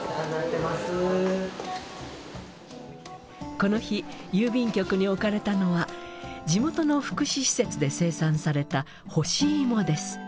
この日郵便局に置かれたのは地元の福祉施設で生産された干しいもです。